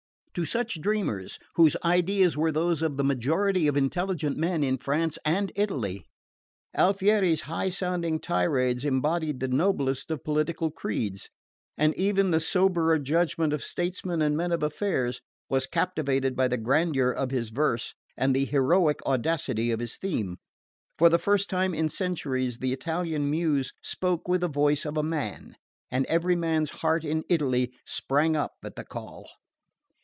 To such dreamers whose ideas were those of the majority of intelligent men in France and Italy Alfieri's high sounding tirades embodied the noblest of political creeds; and even the soberer judgment of statesmen and men of affairs was captivated by the grandeur of his verse and the heroic audacity of his theme. For the first time in centuries the Italian Muse spoke with the voice of a man; and every man's heart in Italy sprang up at the call.